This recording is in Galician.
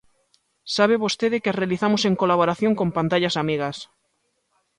Sabe vostede que as realizamos en colaboración con Pantallas amigas.